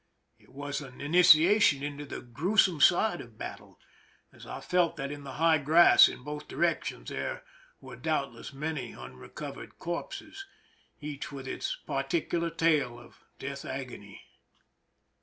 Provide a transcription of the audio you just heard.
It was an initiation into the gruesome side of battle, as I felt that in the high grass in both directions there were doubtless many unrecovered corpses, each with its particular tale of death agony.